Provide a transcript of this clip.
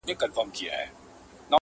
یوسف په خوب کي لټومه زلیخا ووینم!